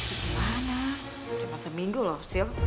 udah masa minggu loh sil